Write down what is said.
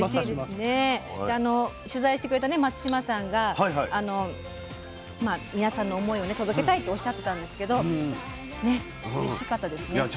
で取材してくれた松嶋さんが皆さんの思いを届けたいとおっしゃってたんですけどおいしかったですね。